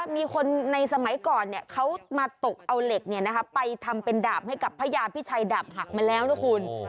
มีคนในสมัยก่อนเขามาตกเอาเหล็กไปทำเป็นดาบให้กับพระยาพิชัยดาบหักมาแล้วนะคุณ